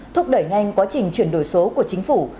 thúc đẩy nhanh quá trình chuyển đổi số của chính phủ